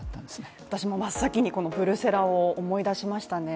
私も真っ先にこのブルセラを思い出しましたね